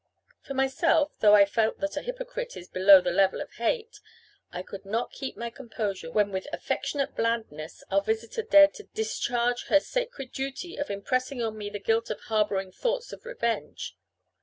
For myself, though I felt that a hypocrite is below the level of hate, I could not keep my composure when with affectionate blandness our visitor dared to "discharge her sacred duty of impressing on me the guilt of harbouring thoughts of revenge."